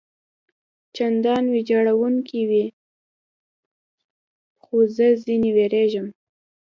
چندان ویجاړوونکي وي، خو زه ځنې وېرېږم.